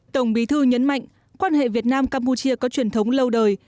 tổng bí thư nhấn mạnh quan hệ việt nam campuchia có truyền thống lâu đời